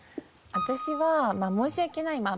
私は申し訳ない。